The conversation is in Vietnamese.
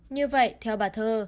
như vậy theo bà thơ